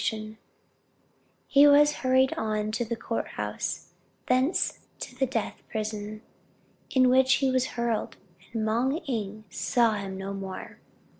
Then he was hurried on to the court house, thence to "the death prison," into which he was hurled, and Moung Ing saw him no more.